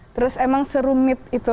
terus emang serumit itu